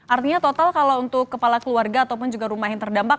artinya total kalau untuk kepala keluarga ataupun juga rumah yang terdampak